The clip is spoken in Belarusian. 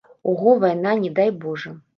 Ого, вайна, не дай божа!